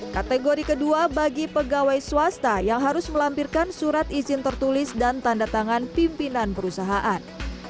kategori kedua bagi pegawai swasta yang harus melampirkan surat izin tertulis dan tanda tangan pimpinan perusahaan